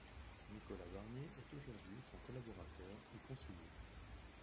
Nicolas Barnier est aujourd'hui son collaborateur et conseiller.